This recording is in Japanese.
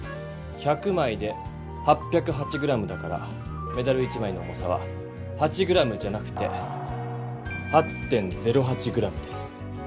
１００枚で８０８ｇだからメダル１枚の重さは８ｇじゃなくて８．０８ｇです。